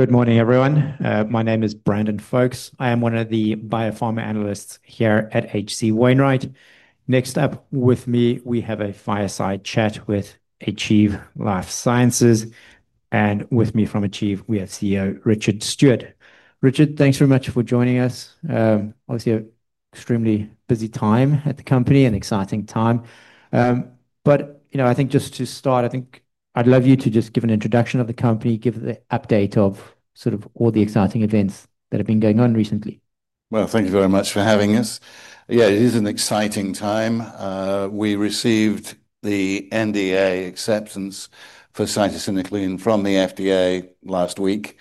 Good morning, everyone. My name is Brandon Foulks. I am one of the biopharma analysts here at HC Wainwright. Next up with me, we have a fireside chat with Achieve Life Sciences. With me from Achieve, we have CEO Richard A. Stewart. Richard, thanks very much for joining us. Obviously an extremely busy time at the company, an exciting time. I think just to start, I'd love you to just give an introduction of the company, give the update of sort of all the exciting events that have been going on recently. Thank you very much for having us. It is an exciting time. We received the NDA acceptance for cytisinicline from the FDA last week.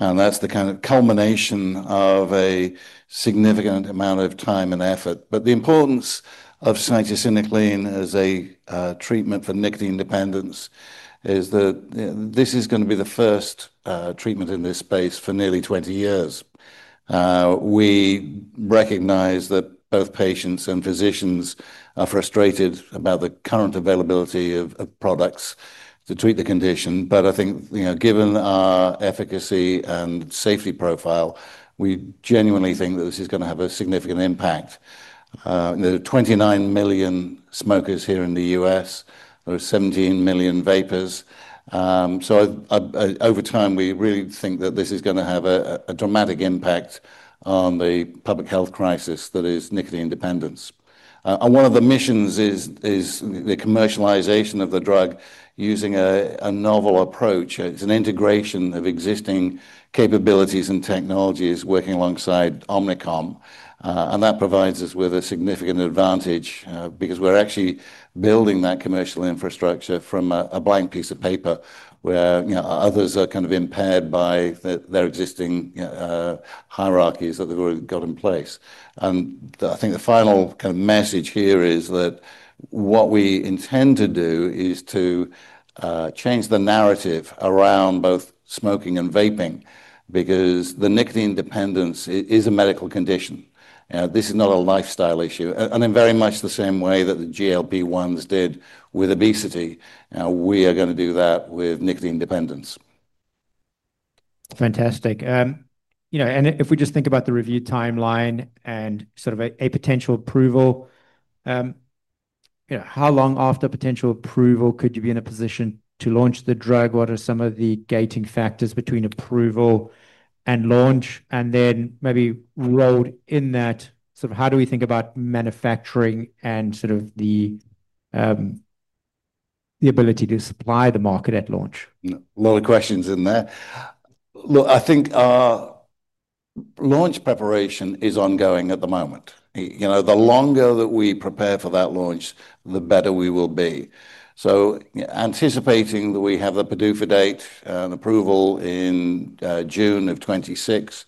That is the culmination of a significant amount of time and effort. The importance of cytisinicline as a treatment for nicotine dependence is that this is going to be the first treatment in this space for nearly 20 years. We recognize that both patients and physicians are frustrated about the current availability of products to treat the condition. I think, given our efficacy and safety profile, we genuinely think that this is going to have a significant impact. There are 29 million smokers here in the U.S. There are 17 million vapers. Over time, we really think that this is going to have a dramatic impact on the public health crisis that is nicotine dependence. One of the missions is the commercialization of the drug using a novel approach. It is an integration of existing capabilities and technologies working alongside Omnicom. That provides us with a significant advantage because we are actually building that commercial infrastructure from a blank piece of paper where others are impaired by their existing hierarchies that we have got in place. The final message here is that what we intend to do is to change the narrative around both smoking and vaping because nicotine dependence is a medical condition. This is not a lifestyle issue. In very much the same way that the GLP-1s did with obesity, we are going to do that with nicotine dependence. Fantastic. You know, and if we just think about the review timeline and sort of a potential approval, you know, how long after potential approval could you be in a position to launch the drug? What are some of the gating factors between approval and launch? Maybe rolled in that, how do we think about manufacturing and sort of the ability to supply the market at launch? A lot of questions in there. Look, I think our launch preparation is ongoing at the moment. You know, the longer that we prepare for that launch, the better we will be. Anticipating that we have the PDUFA date and approval in June of 2026,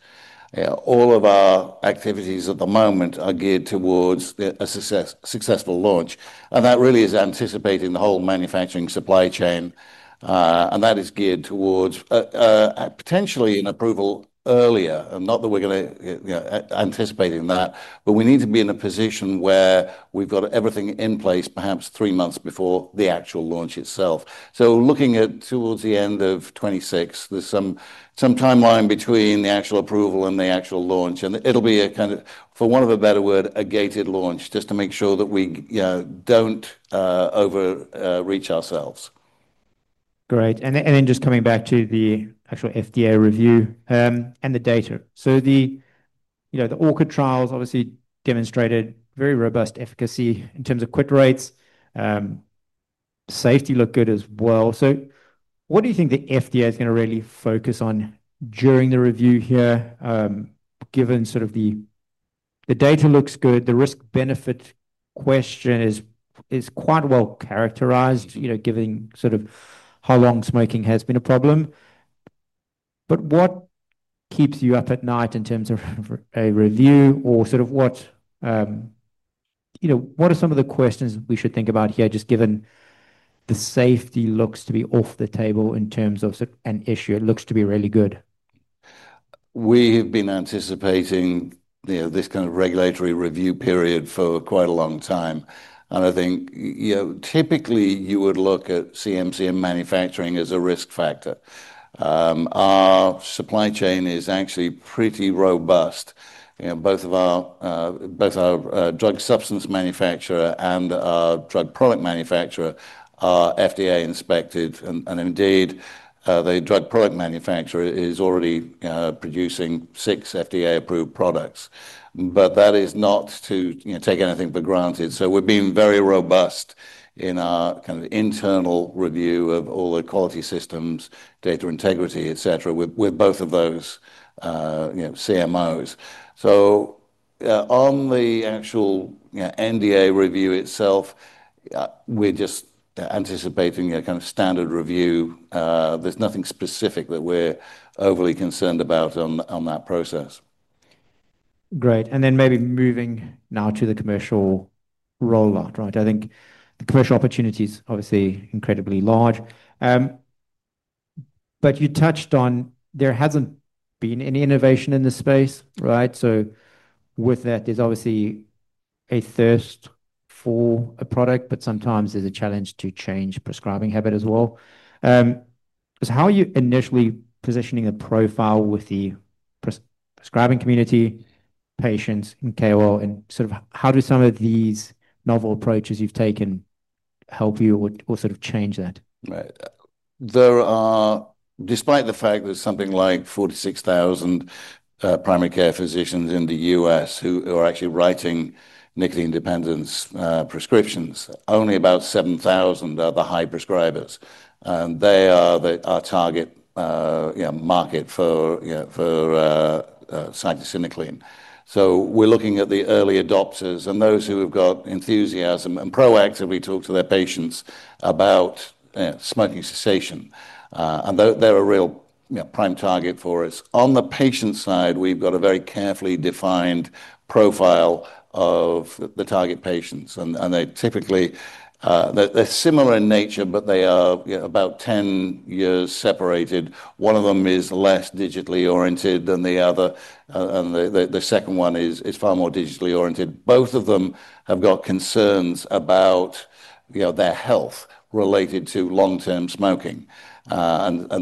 all of our activities at the moment are geared towards a successful launch. That really is anticipating the whole manufacturing supply chain. That is geared towards potentially an approval earlier, not that we're going to be anticipating that, but we need to be in a position where we've got everything in place perhaps three months before the actual launch itself. Looking towards the end of 2026, there's some timeline between the actual approval and the actual launch. It'll be a kind of, for want of a better word, a gated launch just to make sure that we don't overreach ourselves. Great. Just coming back to the actual FDA review and the data, the ORCA clinical trials obviously demonstrated very robust efficacy in terms of quit rates. Safety looked good as well. What do you think the FDA is going to really focus on during the review here? Given the data looks good, the risk-benefit question is quite well characterized, given how long smoking has been a problem. What keeps you up at night in terms of a review, or what are some of the questions we should think about here just given the safety looks to be off the table in terms of an issue? It looks to be really good. We have been anticipating this kind of regulatory review period for quite a long time. I think typically you would look at CMC and manufacturing as a risk factor. Our supply chain is actually pretty robust. Both of our drug substance manufacturer and our drug product manufacturer are FDA inspected. Indeed, the drug product manufacturer is already producing six FDA-approved products. That is not to take anything for granted. We have been very robust in our internal review of all the quality systems, data integrity, et cetera, with both of those CMOs. On the actual NDA review itself, we're just anticipating a kind of standard review. There's nothing specific that we're overly concerned about on that process. Great. Maybe moving now to the commercial rollout, right? I think the commercial opportunity is obviously incredibly large. You touched on there hasn't been any innovation in this space, right? With that, there's obviously a thirst for a product, but sometimes there's a challenge to change prescribing habits as well. How are you initially positioning a profile with the prescribing community, patients, and KOL? How do some of these novel approaches you've taken help you or change that? There are, despite the fact that there's something like 46,000 primary care physicians in the U.S. who are actually writing nicotine dependence prescriptions, only about 7,000 are the high prescribers. They are our target market for cytisinicline. We're looking at the early adopters and those who have got enthusiasm and proactively talk to their patients about smoking cessation. They're a real prime target for us. On the patient side, we've got a very carefully defined profile of the target patients. They're typically, they're similar in nature, but they are about 10 years separated. One of them is less digitally oriented than the other. The second one is far more digitally oriented. Both of them have got concerns about their health related to long-term smoking.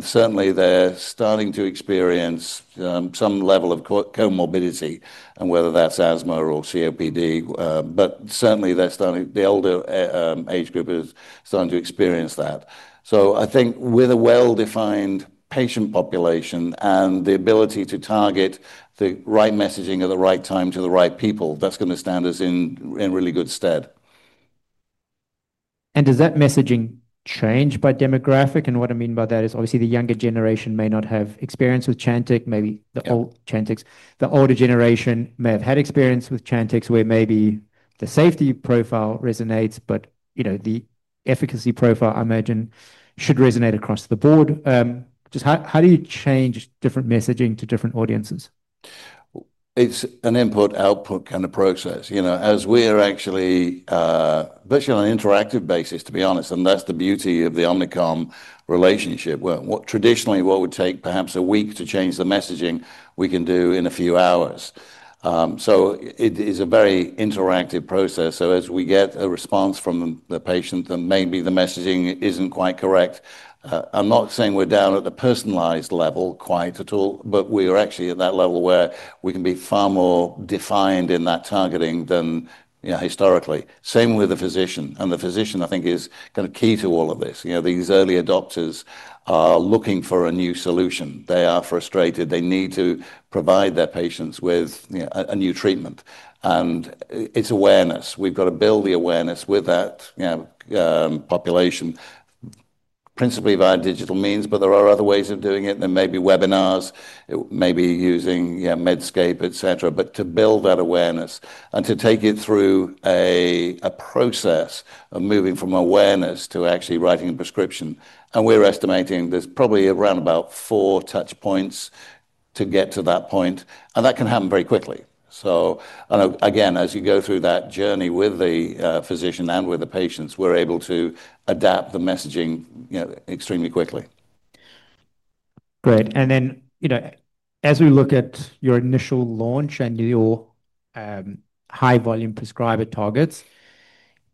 Certainly, they're starting to experience some level of comorbidity, whether that's asthma or COPD. Certainly, the older age group is starting to experience that. I think with a well-defined patient population and the ability to target the right messaging at the right time to the right people, that's going to stand us in really good stead. Does that messaging change by demographic? What I mean by that is obviously the younger generation may not have experience with Chantix, maybe the older generation may have had experience with Chantix where maybe the safety profile resonates, but you know the efficacy profile, I imagine, should resonate across the board. Just how do you change different messaging to different audiences? It's an input-output kind of process. As we're actually, especially on an interactive basis, to be honest, that's the beauty of the Omnicom relationship. What traditionally would take perhaps a week to change the messaging, we can do in a few hours. It is a very interactive process. As we get a response from the patient that maybe the messaging isn't quite correct, I'm not saying we're down at the personalized level quite at all, but we are actually at that level where we can be far more defined in that targeting than historically. Same with the physician. The physician, I think, is kind of key to all of this. These early adopters are looking for a new solution. They are frustrated. They need to provide their patients with a new treatment. It's awareness. We've got to build the awareness with that population, principally via digital means, but there are other ways of doing it. There may be webinars, maybe using Medscape, et cetera, to build that awareness and to take it through a process of moving from awareness to actually writing a prescription. We're estimating there's probably around about four touch points to get to that point. That can happen very quickly. As you go through that journey with the physician and with the patients, we're able to adapt the messaging extremely quickly. Great. As we look at your initial launch and your high-volume prescriber targets,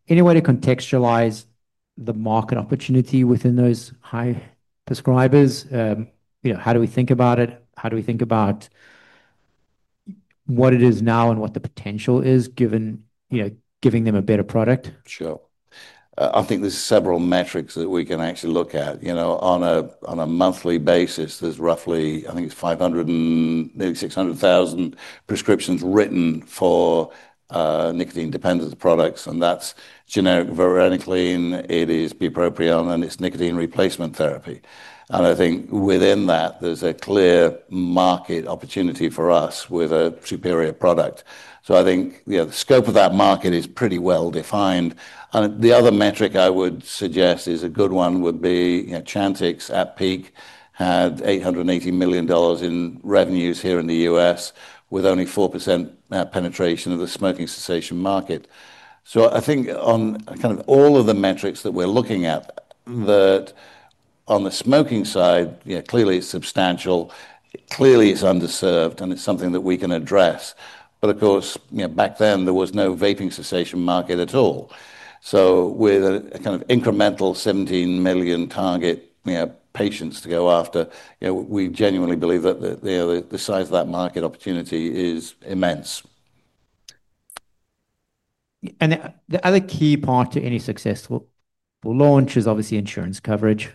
any way to contextualize the market opportunity within those high prescribers? How do we think about it? How do we think about what it is now and what the potential is, given giving them a better product? Sure. I think there's several metrics that we can actually look at. On a monthly basis, there's roughly, I think it's 500, nearly 600,000 prescriptions written for nicotine dependence products. That's generic varenicline, it is bupropion, and it's nicotine replacement therapy. I think within that, there's a clear market opportunity for us with a superior product. I think the scope of that market is pretty well defined. The other metric I would suggest is a good one would be Chantix at peak had $880 million in revenues here in the U.S. with only 4% penetration of the smoking cessation market. I think on kind of all of the metrics that we're looking at, that on the smoking side, clearly it's substantial, clearly it's underserved, and it's something that we can address. Of course, back then there was no vaping cessation market at all. With a kind of incremental 17 million target patients to go after, we genuinely believe that the size of that market opportunity is immense. The other key part to any successful launch is obviously insurance coverage.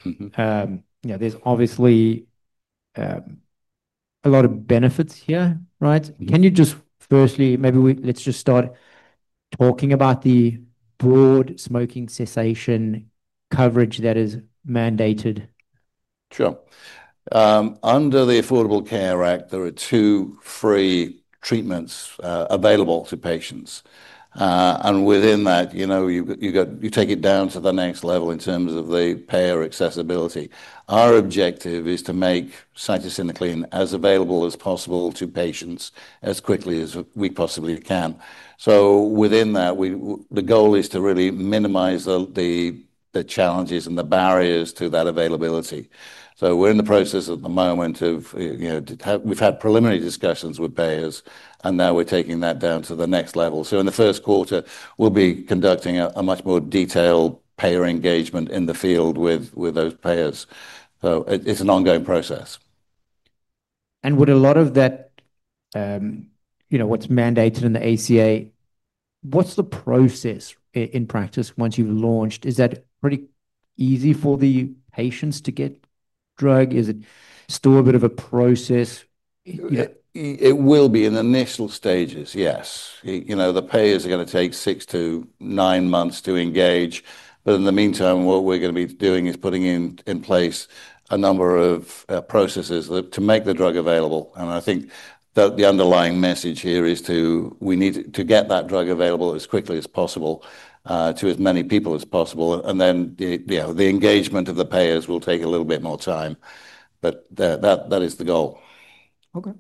There's obviously a lot of benefits here, right? Can you just firstly, maybe let's just start talking about the broad smoking cessation coverage that is mandated? Sure. Under the Affordable Care Act, there are two free treatments available to patients. Within that, you take it down to the next level in terms of the payer accessibility. Our objective is to make cytisinicline as available as possible to patients as quickly as we possibly can. Within that, the goal is to really minimize the challenges and the barriers to that availability. We're in the process at the moment of, we've had preliminary discussions with payers, and now we're taking that down to the next level. In the first quarter, we'll be conducting a much more detailed payer engagement in the field with those payers. It's an ongoing process. Would a lot of that, you know, what's mandated in the Affordable Care Act, what's the process in practice once you've launched? Is that pretty easy for the patients to get drug? Is it still a bit of a process? It will be in the initial stages, yes. The payers are going to take six to nine months to engage. In the meantime, what we're going to be doing is putting in place a number of processes to make the drug available. I think that the underlying message here is we need to get that drug available as quickly as possible to as many people as possible. The engagement of the payers will take a little bit more time. That is the goal. Okay.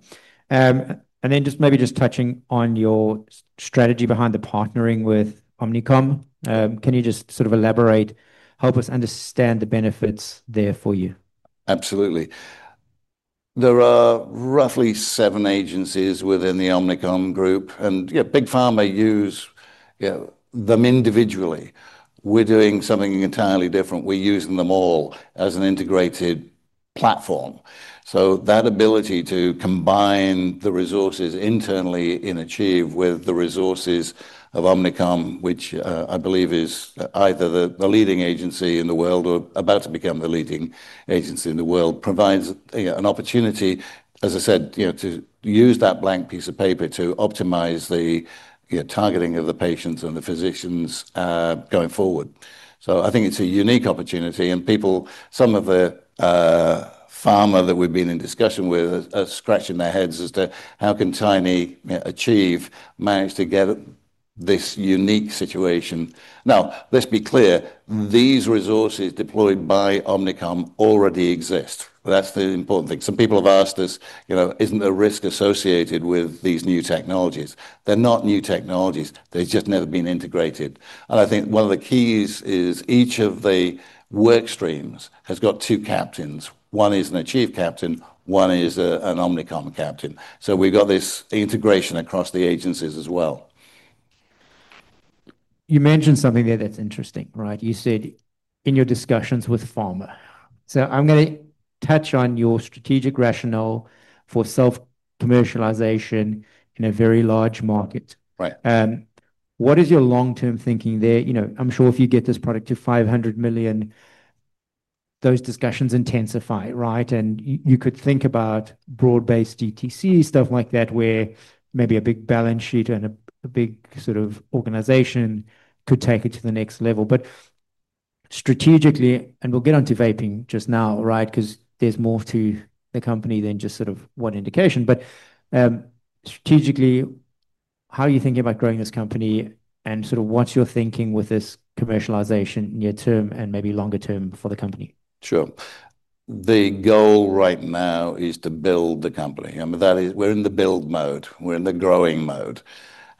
Maybe just touching on your strategy behind the partnering with Omnicom, can you just sort of elaborate, help us understand the benefits there for you? Absolutely. There are roughly seven agencies within the Omnicom group. Big Pharma uses them individually. We're doing something entirely different. We're using them all as an integrated platform. That ability to combine the resources internally in Achieve with the resources of Omnicom, which I believe is either the leading agency in the world or about to become the leading agency in the world, provides an opportunity, as I said, to use that blank piece of paper to optimize the targeting of the patients and the physicians going forward. I think it's a unique opportunity. Some of the pharma that we've been in discussion with are scratching their heads as to how can Tiny Achieve manage to get this unique situation. Now, let's be clear, these resources deployed by Omnicom already exist. That's the important thing. Some people have asked us, isn't there risk associated with these new technologies? They're not new technologies. They've just never been integrated. I think one of the keys is each of the workstreams has got two captains. One is an Achieve captain. One is an Omnicom captain. We've got this integration across the agencies as well. You mentioned something there that's interesting, right? You said in your discussions with pharma. I'm going to touch on your strategic rationale for self-commercialization in a very large market. Right. What is your long-term thinking there? I'm sure if you get this product to $500 million, those discussions intensify, right? You could think about broad-based DTC, stuff like that, where maybe a big balance sheet and a big sort of organization could take it to the next level. Strategically, we'll get on to vaping just now, right? There is more to the company than just sort of one indication. Strategically, how are you thinking about growing this company and what you're thinking with this commercialization near-term and maybe longer-term for the company? Sure. The goal right now is to build the company. I mean, that is, we're in the build mode. We're in the growing mode.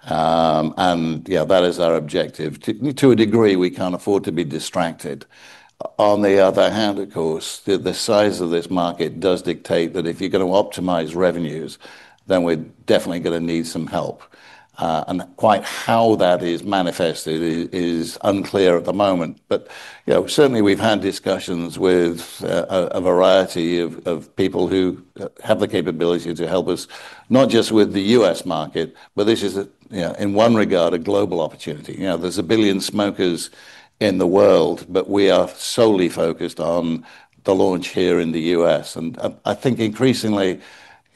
Yeah, that is our objective. To a degree, we can't afford to be distracted. On the other hand, of course, the size of this market does dictate that if you're going to optimize revenues, then we're definitely going to need some help. Quite how that is manifested is unclear at the moment. Certainly, we've had discussions with a variety of people who have the capability to help us, not just with the U.S. market, but this is, in one regard, a global opportunity. You know, there's a billion smokers in the world, but we are solely focused on the launch here in the U.S. I think increasingly,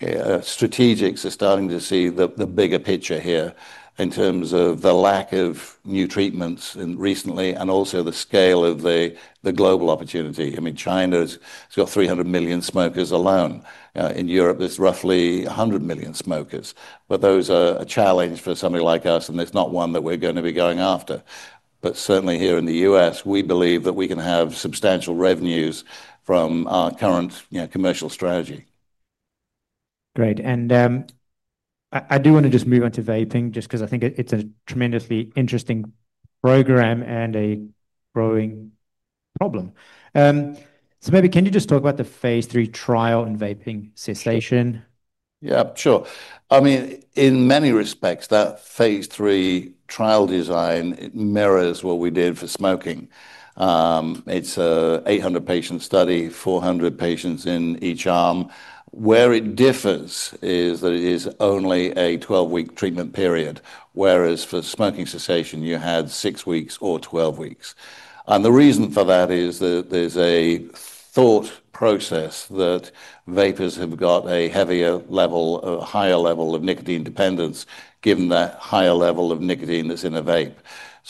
strategics are starting to see the bigger picture here in terms of the lack of new treatments recently and also the scale of the global opportunity. I mean, China has got 300 million smokers alone. In Europe, there's roughly 100 million smokers. Those are a challenge for somebody like us, and there's not one that we're going to be going after. Certainly here in the U.S., we believe that we can have substantial revenues from our current commercial strategy. Great. I do want to just move on to vaping because I think it's a tremendously interesting program and a growing problem. Maybe can you just talk about the phase 3 trial and vaping cessation? Yeah, sure. I mean, in many respects, that phase 3 trial design mirrors what we did for smoking. It's an 800-patient study, 400 patients in each arm. Where it differs is that it is only a 12-week treatment period, whereas for smoking cessation, you had six weeks or 12 weeks. The reason for that is that there's a thought process that vapers have got a heavier level, a higher level of nicotine dependence given that higher level of nicotine that's in a vape.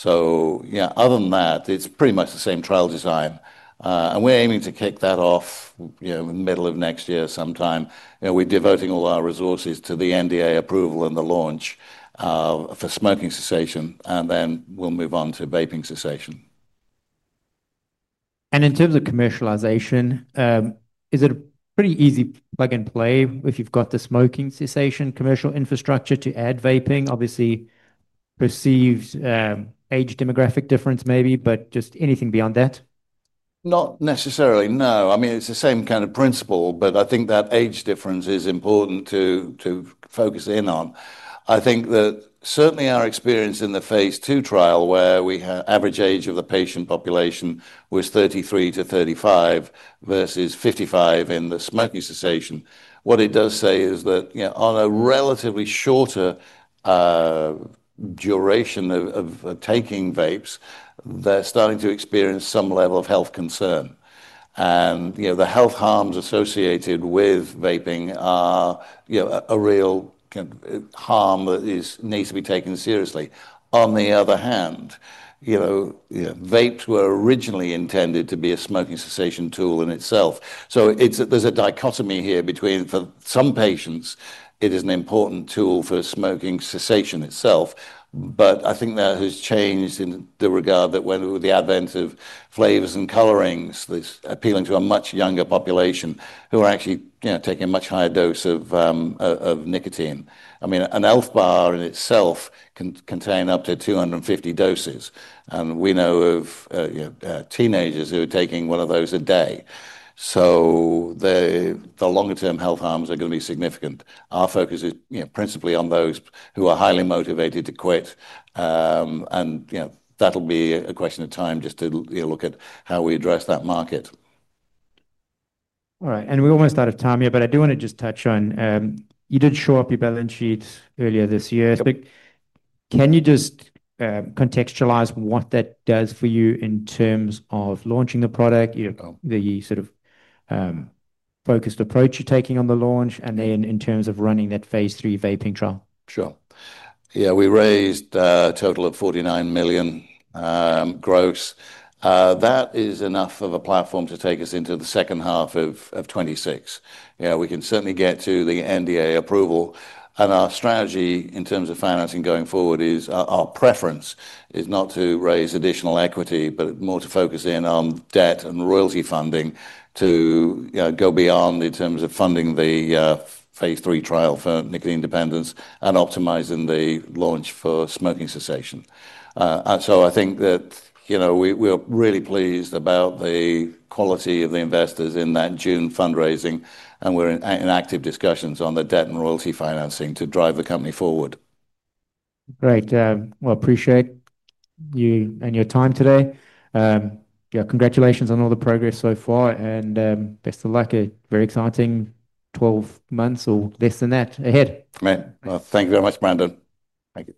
Other than that, it's pretty much the same trial design. We're aiming to kick that off in the middle of next year sometime. We're devoting all our resources to the NDA approval and the launch for smoking cessation, and then we'll move on to vaping cessation. In terms of commercialization, is it a pretty easy plug and play if you've got the smoking cessation commercial infrastructure to add vaping? Obviously, perceived age demographic difference maybe, but just anything beyond that? Not necessarily, no. I mean, it's the same kind of principle, but I think that age difference is important to focus in on. I think that certainly our experience in the phase 2 trial where the average age of the patient population was 33 to 35 versus 55 in the smoking cessation, what it does say is that on a relatively shorter duration of taking vapes, they're starting to experience some level of health concern. The health harms associated with vaping are a real harm that needs to be taken seriously. On the other hand, vapes were originally intended to be a smoking cessation tool in itself. There is a dichotomy here because for some patients, it is an important tool for smoking cessation itself. I think that has changed in the regard that when the advent of flavors and colorings is appealing to a much younger population who are actually taking a much higher dose of nicotine. I mean, an elf bar in itself can contain up to 250 doses. We know of teenagers who are taking one of those a day. The longer-term health harms are going to be significant. Our focus is principally on those who are highly motivated to quit. That'll be a question of time just to look at how we address that market. All right. We're almost out of time here, but I do want to just touch on you did show up your balance sheet earlier this year. Can you just contextualize what that does for you in terms of launching the product, the sort of focused approach you're taking on the launch, and then in terms of running that phase 3 vaping trial? Sure. Yeah, we raised a total of $49 million gross. That is enough of a platform to take us into the second half of 2026. We can certainly get to the NDA approval. Our strategy in terms of financing going forward is our preference is not to raise additional equity, but more to focus in on debt and royalty funding to go beyond in terms of funding the phase 3 trial for nicotine dependence and optimizing the launch for smoking cessation. I think that we're really pleased about the quality of the investors in that June fundraising. We're in active discussions on the debt and royalty financing to drive the company forward. Great. I appreciate you and your time today. Congratulations on all the progress so far. Best of luck. A very exciting 12 months or less than that ahead. Thank you very much, Brandon. Thank you.